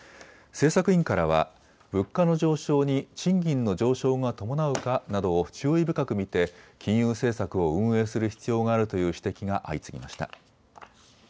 政策委員からは物価の上昇に賃金の上昇が伴うかなどを注意深く見て金融政策を運営する必要があるという指摘が相次ぎました。